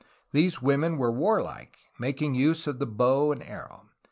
These women were war like, mak ing use of the bow and arrow.